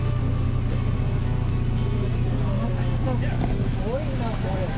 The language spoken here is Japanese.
すごいな、これ。